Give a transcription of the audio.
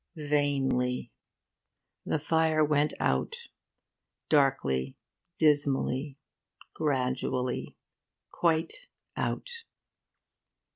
Vainly. The fire went out darkly, dismally, gradually, quite out.